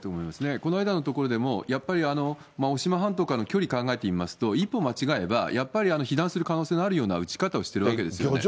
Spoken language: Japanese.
この間の所でも、やっぱり渡島半島からの距離考えてみますと、一歩間違えば、やっぱり被弾する可能性があるような撃ち方をしてるわけですよね。